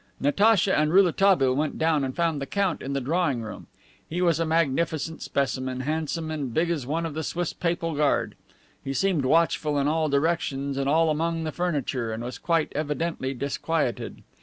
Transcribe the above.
Natacha and Rouletabille went down and found the Count in the drawing room. He was a magnificent specimen, handsome and big as one of the Swiss papal guard. He seemed watchful in all directions and all among the furniture, and was quite evidently disquieted.